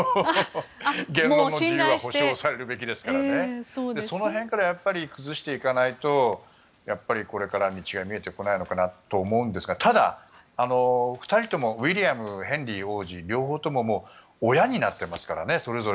言論の自由は保障されるべきなのでその辺から崩していかないとこれからの道は見えてこないのかなと思いますがただ、２人ともウィリアム王子、ヘンリー王子両方とも親になっていますから。